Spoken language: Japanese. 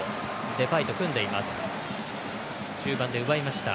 デパイと組んでいます。